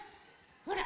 ほら。